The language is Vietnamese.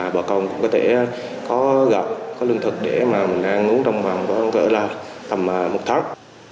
bà con cũng có thể có gạo có lương thực để ăn uống trong vòng khoảng một tháng